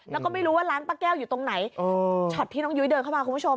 แล้วก็ไม่รู้ว่าร้านป้าแก้วอยู่ตรงไหนช็อตที่น้องยุ้ยเดินเข้ามาคุณผู้ชม